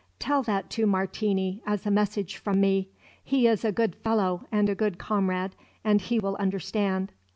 Tell that to Martini as a message from me; he is a good fellow and a good comrade, and he will understand.